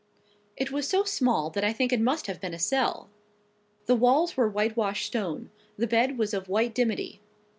It was so small that I think it must have been a cell. The walls were whitewashed stone; the bed was of white dimity.